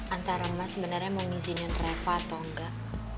antara mas sebenarnya mau ngizinkan reva atau enggak